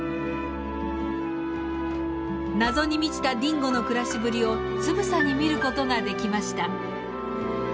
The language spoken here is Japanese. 謎に満ちたディンゴの暮らしぶりをつぶさに見る事ができました。